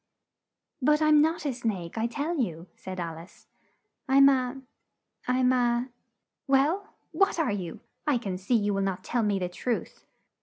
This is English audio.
"But I'm not a snake, I tell you!" said Al ice. "I'm a I'm a " "Well! What are you?" said the bird. "I can see you will not tell me the truth!"